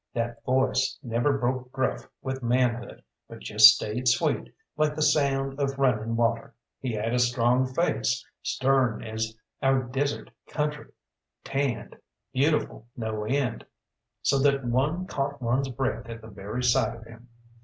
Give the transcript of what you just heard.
That voice never broke gruff with manhood, but just stayed sweet, like the sound of running water. He had a strong face, stern as our desert country, tanned, beautiful no end, so that one caught one's breath at the very sight of him.